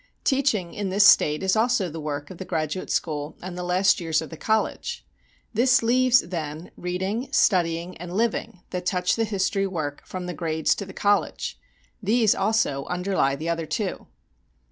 Teaching, in this state, is also the work of the graduate school and the last years of the college. This leaves, then, reading, studying and living that touch the history work from the grades to the college; these also underlie the other two.